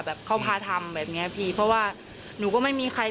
แบบเขาพาทำแบบเนี้ยพี่เพราะว่าหนูก็ไม่มีใคร